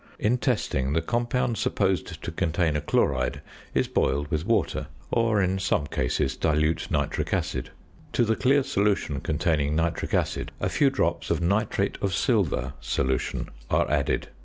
In testing, the compound supposed to contain a chloride is boiled with water, or, in some cases, dilute nitric acid. To the clear solution containing nitric acid a few drops of nitrate of silver solution are added.